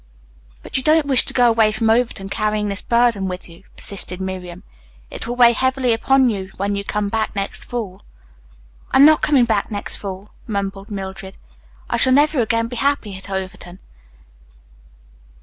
"But you don't wish to go away from Overton carrying this burden with you," persisted Miriam. "It will weigh heavily upon you when you come back next fall " "I'm not coming back next fall," mumbled Mildred. "I shall never again be happy at Overton."